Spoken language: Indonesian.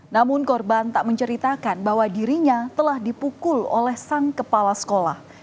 namun korban tak menceritakan bahwa dirinya telah dipukul oleh sang kepala sekolah